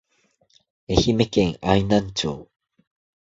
愛媛県愛南町